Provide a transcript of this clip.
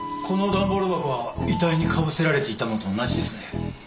この段ボール箱は遺体にかぶせられていたものと同じですね。